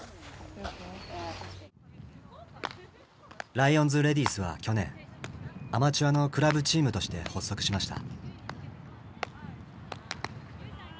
ライオンズ・レディースは去年アマチュアのクラブチームとして発足しました。